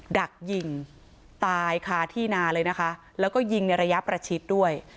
ดักยิงตายคาที่นาเลยนะคะแล้วก็ยิงในระยะประชิดด้วย